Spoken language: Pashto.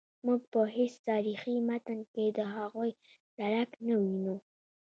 موږ په هیڅ تاریخي متن کې د هغوی څرک نه وینو.